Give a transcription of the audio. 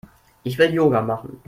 Ich will Yoga machen.